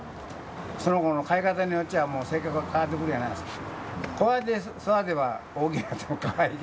その子の飼い方によっちゃあ性格が変わってくるやないですか。